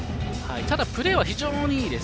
ただプレーは非常にいいです。